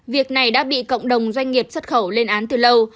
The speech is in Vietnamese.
việc này đã bị cộng đồng doanh nghiệp xuất khẩu lên án từ lâu